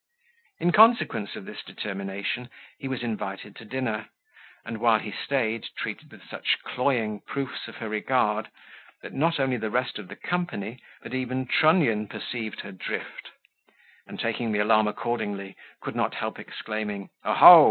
In consequence of this determination, he was invited to dinner, and while he stayed treated with such cloying proofs of her regard, that not only the rest of the company, but even Trunnion perceived her drift; and taking the alarm accordingly, could not help exclaiming, "Oho!